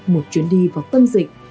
một chuyến đi vào tâm dịch